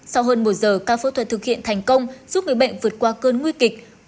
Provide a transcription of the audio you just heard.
sau hơn một giờ ca phẫu thuật thực hiện thành công giúp người bệnh vượt qua cơn nguy kịch